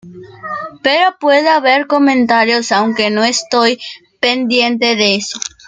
Pero puede haber comentarios, aunque no estoy pendiente de eso.